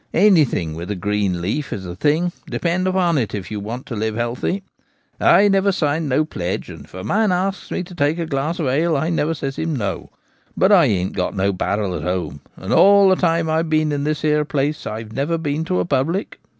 Anything with a green leaf is the thing, depend upon it, if you want to live healthy. I never signed no pledge ; and if a man asks me to take a glass of ale, I never says him no. But I ain't got no barrel at home ; and all the time IVe been in this here place, IVe never been to a public.